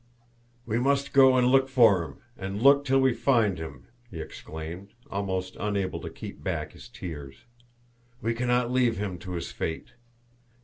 "We must go and look for him, and look till we find him," he exclaimed, almost unable to keep back his tears. "We cannot leave him to his fate.